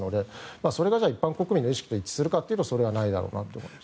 それが一般国民の意識と一致するかというとそれはないだろうと思います。